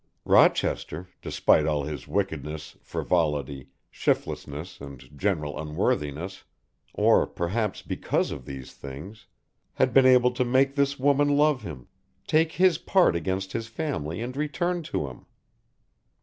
Rochester, despite all his wickedness, frivolity, shiftlessness and general unworthiness or perhaps because of these things had been able to make this woman love him, take his part against his family and return to him.